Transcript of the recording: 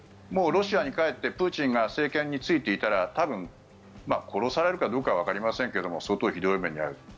もうロシアに帰ってプーチンが政権に就いていたら多分殺されるかどうかわかりませんが相当ひどい目に遭う。